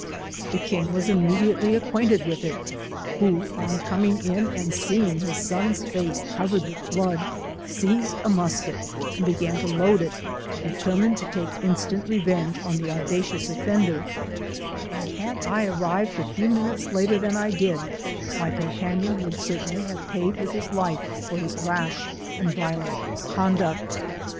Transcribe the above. The king was immediately acquainted with it, who, on coming in and seeing his son's face covered with blood, seized a musket and began to load it, determined to take instant revenge on the audacious offender, and had I arrived a few moments later than 1 did, my companion would certainly have paid with his life for his ra^h and violent conduct.